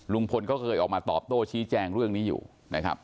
ลุงพลก็เคยออกมาตอบโต้ชี้แจงเรื่องนี้อยู่นะครับ